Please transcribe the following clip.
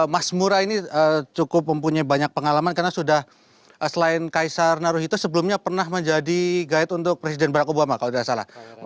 mas mura ini cukup mempunyai banyak pengalaman karena sudah selain kaisar naruhito sebelumnya pernah menjadi guide untuk presiden barack obama kalau tidak salah